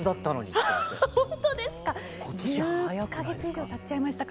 １０か月以上たっちゃいましたか。